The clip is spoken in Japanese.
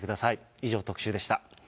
以上、特集でした。